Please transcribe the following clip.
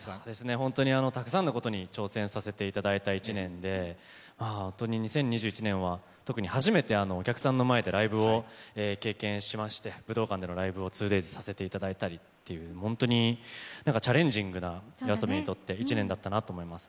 本当にたくさんのことに挑戦させていただいた１年で、本当に２０２１年は特に初めてお客さんの前でライブを経験しまして武道館でのライブを２デイズさせていただいたり、チャレンジングな、ＹＯＡＳＯＢＩにとって、１年だったなと思います。